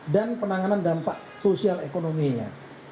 dan penanganan dampak sosial ekonominya